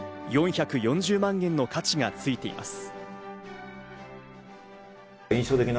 ４４０万円の価値がついています。